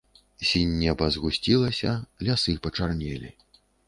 Сінь неба згусцілася, лясы пачарнелі.